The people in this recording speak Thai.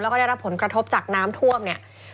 แล้วก็ได้รับผลกระทบจากน้ำท่วมเนี่ย